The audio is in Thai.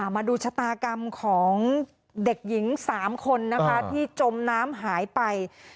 มาดูชะตากรรมของเด็กหญิง๓คนนะคะที่จมน้ำหายไป